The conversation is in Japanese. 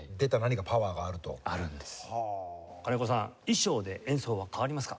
金子さん衣装で演奏は変わりますか？